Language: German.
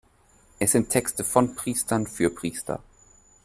Es sind Texte von Priestern für Priester.